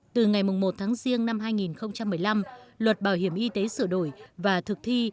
từ ngày một tháng riêng năm hai nghìn một mươi năm luật bảo hiểm y tế sửa đổi và thực thi